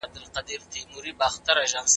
ولور په پخوانیو ټولنو کي دود و.